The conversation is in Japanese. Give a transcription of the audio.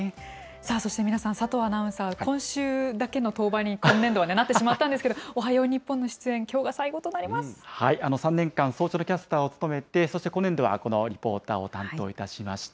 さあ、そして皆さん、佐藤アナウンサー、今週だけの登板に、今年度はなってしまったんですけど、おはよう日本の出演、今日が最後３年間、ソーシャルキャスターを務めて、そして今年度はこのリポーターを担当いたしました。